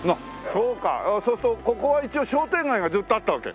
そうするとここは一応商店街がずっとあったわけ？